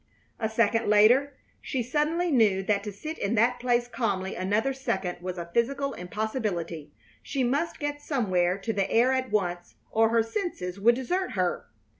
A second later she suddenly knew that to sit in that place calmly another second was a physical impossibility. She must get somewhere to the air at once or her senses would desert her.